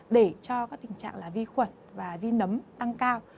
để cho các tình trạng là vi khuẩn và vi nấm tăng cao